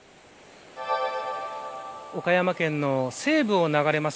岡山県の西部を流れます